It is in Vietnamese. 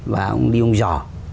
và ông đi uống giò